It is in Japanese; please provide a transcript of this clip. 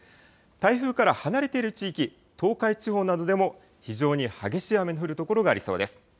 台風から離れている地域、東海地方などでも非常に激しい雨の降る所がありそうです。